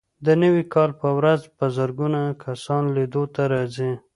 د نوي کال په ورځ په زرګونه کسان لیدو ته راځي.